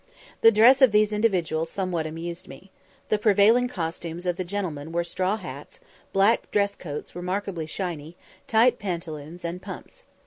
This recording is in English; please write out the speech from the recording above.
The dress of these individuals somewhat amused me. The prevailing costumes of the gentlemen were straw hats, black dress coats remarkably shiny, tight pantaloons, and pumps.